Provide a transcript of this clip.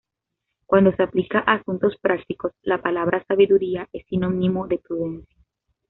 Cuando se aplica a asuntos prácticos, la palabra "sabiduría" es sinónimo de prudencia.